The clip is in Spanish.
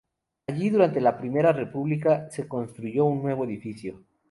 Allí, durante la Primera República se construyó un nuevo edificio.